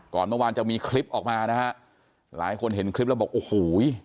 เมื่อวานจะมีคลิปออกมานะฮะหลายคนเห็นคลิปแล้วบอกโอ้โห